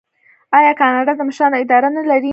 آیا کاناډا د مشرانو اداره نلري؟